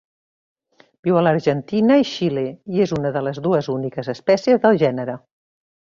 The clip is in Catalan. Viu a l'Argentina i Xile, i és una de les dues úniques espècies del gènere.